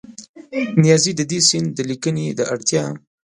نیازي د دې سیند د لیکنې د اړتیا